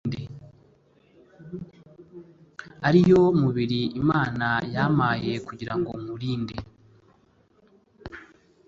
ariyo mubiri Imana yampaye kugira ngo nywurinde